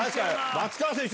松川選手